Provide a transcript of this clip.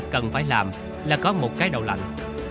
cần phải làm là có một cái đầu lạnh